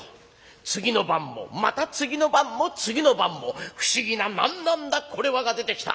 次の晩もまた次の晩も次の晩も不思議な『何なんだこれは』が出てきた。